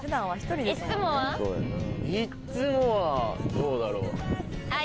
いつもはどうだろう？